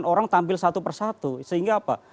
orang tampil satu persatu sehingga apa